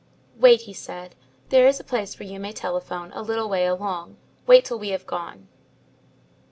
"'Wait,' he said. 'There is a place where you may telephone a little way along. Wait till we have gone."